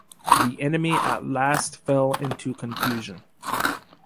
The enemy at last fell into confusion.